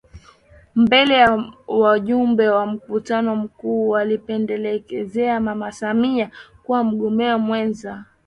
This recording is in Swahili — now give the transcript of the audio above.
Mbele ya wajumbe wa mkutani Mkuu alimpendekeza Mama Samia kuwa mgombea mwenza